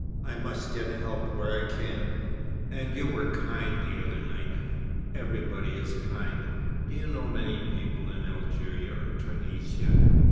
I must get help where I can. And you were kind the other night. Everybody is kind. Do you know many people in Algeria, or Tunisia?"